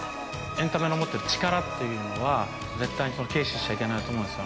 エンタメの持ってる力というのは絶対に軽視しちゃいけないと思うんですよね。